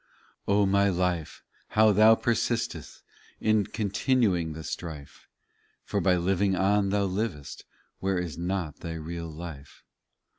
8 O my life, how thou persistest In continuing the strife, For by living on thou livest Where is not thy real life.